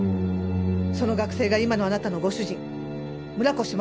その学生が今のあなたのご主人村越正彦。